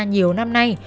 nhiều năm nay